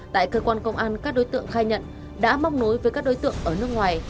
tại cơ quan công an các đối tượng khai nhận đã móc nối với các đối tượng ở nước ngoài